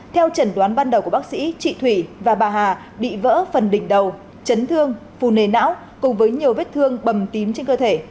theo trần đoán ban đầu của bác sĩ chị thủy và bà hà bị vỡ phần đỉnh đầu chấn thương phù nề não cùng với nhiều vết thương bầm tím trên cơ thể